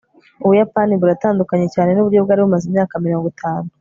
ubuyapani buratandukanye cyane nuburyo bwari bumaze imyaka mirongo itanu